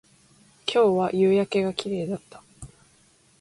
今日は夕焼けが綺麗だった